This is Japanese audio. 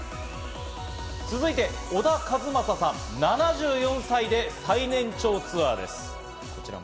続いて小田和正さん、７４歳で最年長ツアーです。